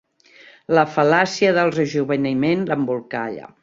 La fal·làcia del rejoveniment l'embolcalla.